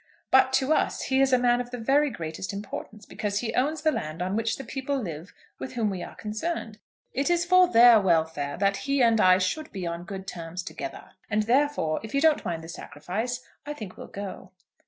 But to us he is a man of the very greatest importance, because he owns the land on which the people live with whom we are concerned. It is for their welfare that he and I should be on good terms together; and therefore if you don't mind the sacrifice, I think we'll go."